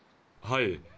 はい。